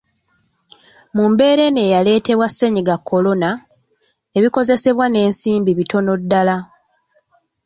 Mu mbeera eno eyaleetebwa ssenyiga Kolona, ebikozesebwa n'ensimbi bitono ddala.